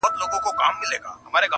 هغه چي اوس زما په مخه راسي مخ اړوي ،